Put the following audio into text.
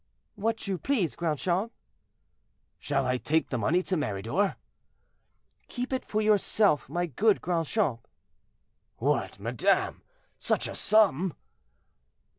"What you please, Grandchamp." "Shall I take the money to Meridor?" "Keep it for yourself, my good Grandchamp." "What, madame, such a sum?"